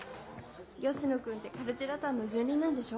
吉野君ってカルチェラタンの住人なんでしょ？